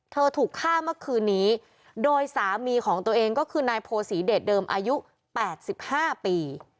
ถูกฆ่าเมื่อคืนนี้โดยสามีของตัวเองก็คือนายโพศีเดชเดิมอายุ๘๕ปี